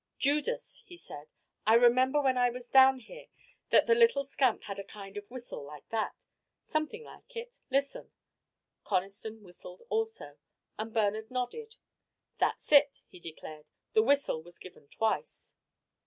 "Judas," he said. "I remember when I was down here that the little scamp had a kind of whistle like that something like it. Listen!" Conniston whistled also, and Bernard nodded. "That's it," he declared; "the whistle was given twice."